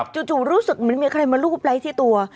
รู้สึกเหมือนมีใครมารูปไลค์ที่ตัว